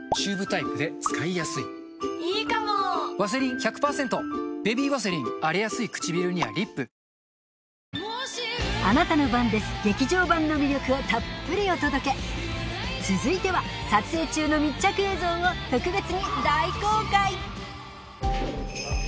キャストの意外な素顔が明らかにの魅力をたっぷりお届け続いては撮影中の密着映像を特別に大公開